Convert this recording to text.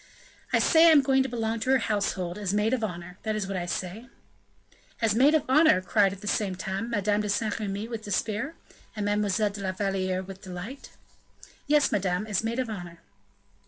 "I say I am going to belong to her household, as maid of honor; that is what I say." "As maid of honor!" cried, at the same time, Madame de Saint Remy with despair, and Mademoiselle de la Valliere with delight. "Yes, madame, as maid of honor."